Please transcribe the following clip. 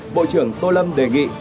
bộ trưởng tô lâm đề nghị